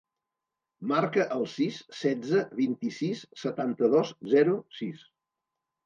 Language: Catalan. Marca el sis, setze, vint-i-sis, setanta-dos, zero, sis.